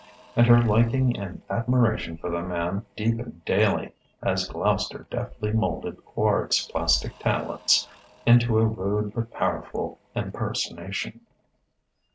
And her liking and admiration for the man deepened daily, as Gloucester deftly moulded Quard's plastic talents into a rude but powerful impersonation.